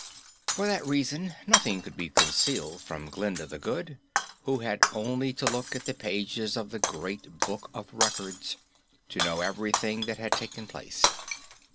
For that reason, nothing could be concealed from Glinda the Good, who had only to look at the pages of the Great Book of Records to know everything that had taken place.